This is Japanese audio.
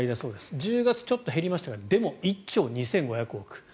１０月、ちょっと減りましたがでも１兆２５２７億円。